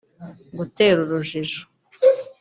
gutera urujijo